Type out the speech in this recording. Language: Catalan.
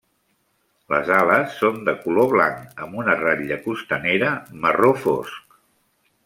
Les ales són de color blanc amb una ratlla costanera marró fosc.